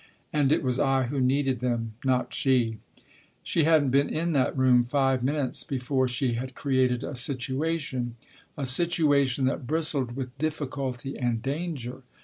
(And it was I who needed them, not she.) She hadn't been in that room five minutes before she had created a situation ; a situation that bristled with difficulty and danger.